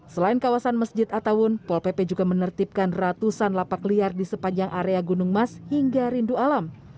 selain kawasan masjid attawun pol pp juga menertibkan ratusan lapak liar di sepanjang area gunung mas hingga rindu alam